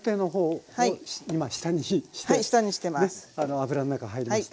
油の中入りました。